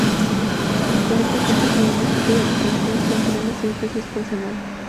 El colegio cuenta con un equipo de natación que entrena seis veces por semana.